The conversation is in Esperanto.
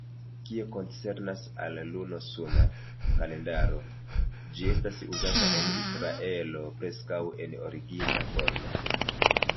Kio koncernas al luno-suna kalendaro, ĝi estas uzata en Israelo preskaŭ en origina formo.